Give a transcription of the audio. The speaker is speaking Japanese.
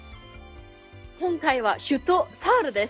今回は首都・ソウルです。